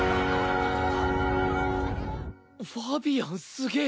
ファビアンすげぇ！